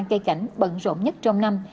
cây cảnh bận rộn nhất trong năm